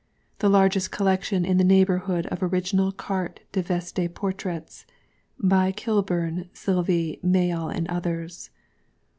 THE LARGEST COLLECTION IN THE NEIGHBOURHOOD OF Original Carte de Vesite Portraits, By KILBURN, SILVY, MAYALL, and Others.